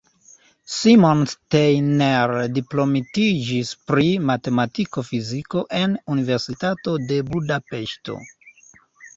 Simon Steiner diplomitiĝis pri matematiko-fiziko en Universitato de Budapeŝto.